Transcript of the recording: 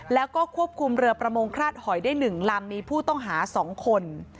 แล้วก็ควบคุมเรือประมงคราดหอยได้๑ลำมีผู้ต้องหา๒คน